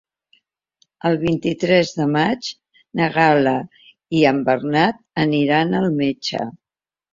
El vint-i-tres de maig na Gal·la i en Bernat aniran al metge.